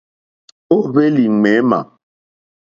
Ó hwélì̀ ŋměmà.